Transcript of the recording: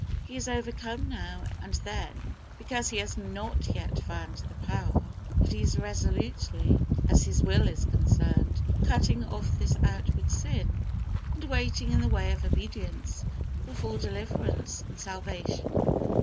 He is overcome now and then, because he has not yet found the power, but he is resolutely, and as far as his will is concerned, cutting off this outward sin, and waiting in the way of obedience for full deliverance and salvation.